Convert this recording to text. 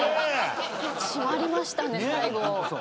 締まりましたね最後。